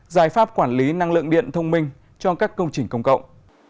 giải pháp quản lý năng lượng điện thông minh cho các công trình công cộng